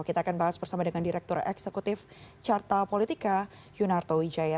kita akan bahas bersama dengan direktur eksekutif carta politika yunarto wijaya